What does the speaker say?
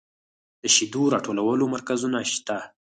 د شیدو راټولولو مرکزونه شته